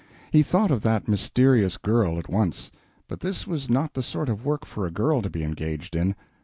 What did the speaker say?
He thought of that mysterious girl at once. But this was not the sort of work for a girl to be engaged in.